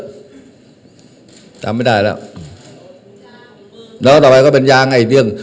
ทำไม่ได้แล้วแล้วต่อไปก็เป็นยางไอ้เรื่อง